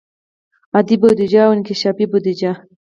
عادي بودیجه او انکشافي بودیجه.